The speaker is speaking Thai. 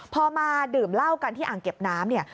พอมาดื่มเหล้ากันที่อ่างเก็บน้ำเนี่ย